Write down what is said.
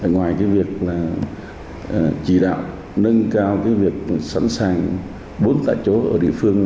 ngoài cái việc là chỉ đạo nâng cao cái việc sẵn sàng bốn tại chỗ ở địa phương